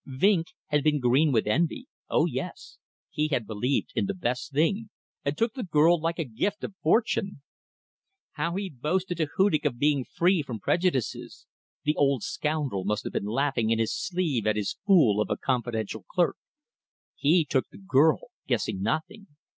Vinck had been green with envy. Oh, yes! He had believed in the best thing, and took the girl like a gift of fortune. How he boasted to Hudig of being free from prejudices. The old scoundrel must have been laughing in his sleeve at his fool of a confidential clerk. He took the girl, guessing nothing.